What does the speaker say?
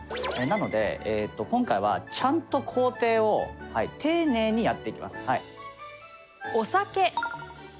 なので今回はちゃんと工程を丁寧にやっていきます。